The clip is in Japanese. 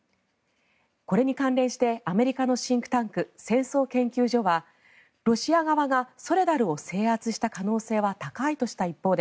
これに関連してアメリカのシンクタンク戦争研究所はロシア側がソレダルを制圧した可能性は高いとした一方で